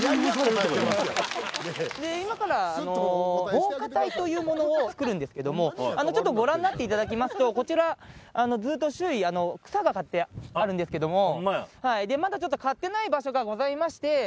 今から防火帯というものを作るんですけれども、ちょっとご覧になっていただきますと、こちら、ずっと周囲、草が刈ってあるんですけども、まだちょっと刈ってない場所がございまして。